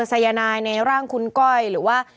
สายนายในร่างคุณก้อยหรือว่า